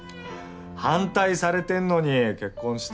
反対されてるのに結婚した。